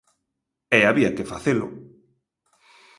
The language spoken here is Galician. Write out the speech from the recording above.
E había que facelo.